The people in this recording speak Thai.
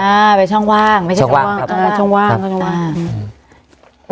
เป็นช่องว่างไม่ใช่ช่องว่างช่องว่างอ่าช่องว่างอ่าอืม